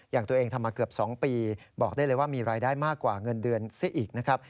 อย่างตัวเองทำมาเกือบ๒ปีบอกได้เลยว่ามีรายได้มากกว่าเงินเดือนซะอีกนะครับ